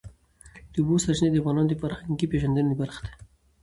د اوبو سرچینې د افغانانو د فرهنګي پیژندنې برخه ده.